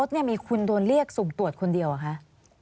ในรถมีคุณโดนเรียกสูงตรวจคนเดียวเหรอคะ